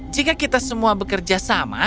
jika kita semua bekerja sama